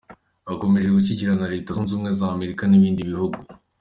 Akomeje gushyigikirwa na Leta Zunze Ubumwe z'Amerika n'ibindi bihugu.